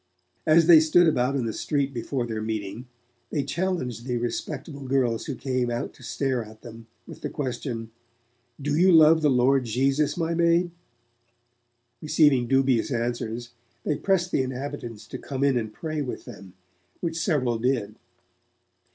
As they stood about in the street before their meeting, they challenged the respectable girls who came out to stare at them, with the question, 'Do you love the Lord Jesus, my maid?' Receiving dubious answers, they pressed the inhabitants to come in and pray with them, which several did.